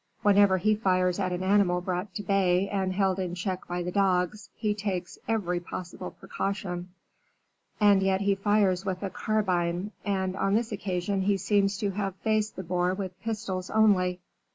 Whenever he fires at an animal brought to bay and held in check by the dogs, he takes every possible precaution, and yet he fires with a carbine, and on this occasion he seems to have faced the boar with pistols only."